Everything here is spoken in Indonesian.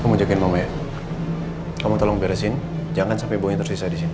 kamu jagain mama ya kamu tolong beresin jangan sampai ibu yang tersisa disini